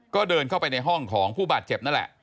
ก็เดินเข้าไปในห้องของผู้บาดเจ็บนั่นแหละ